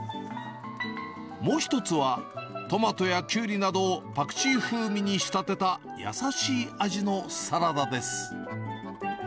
もう１つは、トマトやキュウリなどをパクチー風味に仕立てた優しい味のサラダです。